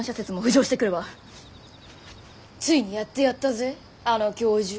「ついにやってやったぜあの教授」。